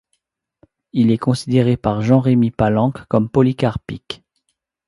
Il est considéré par Jean-Rémy Palanque comme polycarpique.